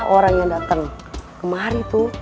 orang yang datang kemari tuh